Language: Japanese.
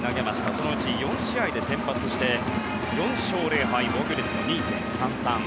そのうち４試合で先発して４勝０敗防御率も２．３３。